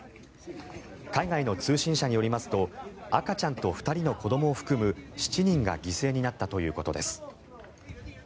海外の通信社によりますと赤ちゃんと２人の子どもを含む７人が犠牲になったということです。